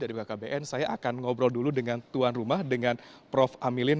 dari bkkbn saya akan ngobrol dulu dengan tuan rumah dengan prof amilin